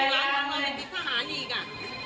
ไม่ได้อ่ะแต่ลูกหลานของเราเป็นติดทหารอีกอ่ะ